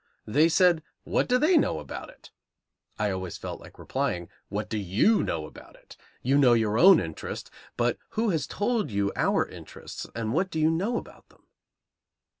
They said, "What do they know about it?" I always feel like replying, "What do you know about it? You know your own interest, but who has told you our interests, and what do you know about them?"